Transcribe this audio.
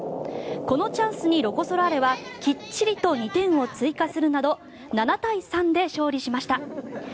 このチャンスにロコ・ソラーレはきっちりと２点を追加するなど７対３で勝利しました。